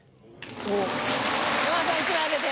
おっ山田さん１枚あげて。